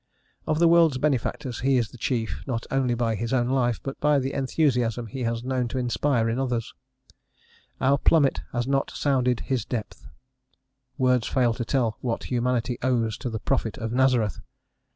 Of the world's benefactors he is the chief, not only by his own life, but by the enthusiasm he has known to inspire in others: "Our plummet has not sounded his depth:" words fail to tell what humanity owes to the Prophet of Nazareth.